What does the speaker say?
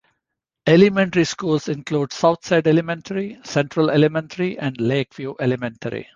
Elementary schools include Southside Elementary, Central Elementary, and Lakeview Elementary.